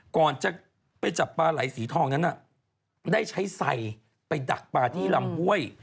ก่อนจะไปจับปลาไหลสีทองนั้นได้ใช้ไซไปดักปลาที่ลำห้วย